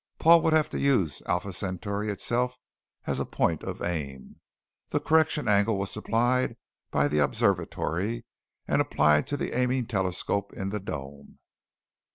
Paul would have to use Alpha Centauri itself as a point of aim. The correction angle was supplied by the observatory, and applied to the aiming telescope in the dome.